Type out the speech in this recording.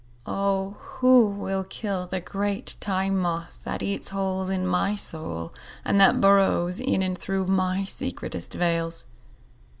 (O who will kill the great Time Moth that eats holes in my soul and that burrows in and through my secretest veils!)